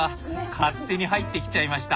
勝手に入ってきちゃいました。